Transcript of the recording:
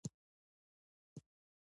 زه د ډیټا کارونه کنټرولوم.